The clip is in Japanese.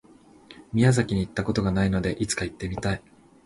宮崎に行った事がないので、いつか行ってみたい。